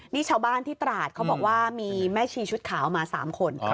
นี่ชาวบ้านที่ตราดเขาบอกว่ามีแม่ชีชุดขาวมา๓คน